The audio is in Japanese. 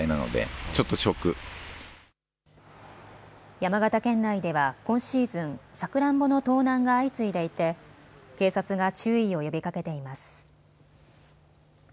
山形県内では今シーズン、さくらんぼの盗難が相次いでいて警察が注意を呼びかけています。